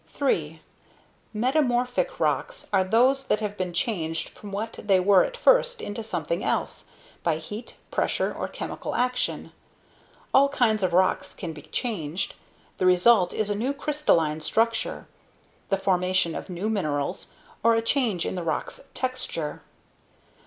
3. METAMORPHIC rocks are those that have been changed from what they were at first into something else by heat, pressure, or chemical action. All kinds of rocks can be changed. The result is a new crystalline structure, the formation of new minerals, or a change in the rock's texture.